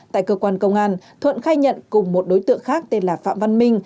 tại cơ quan công an thuận khai nhận cùng một đối tượng khác tên là phạm văn minh